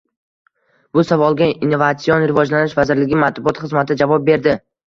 Bu savolga Innovatsion rivojlanish vazirligi matbuot xizmati javob berdi